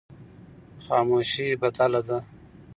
خاموشي بدله ده.